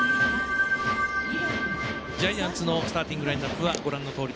ジャイアンツのスターティングラインアップ。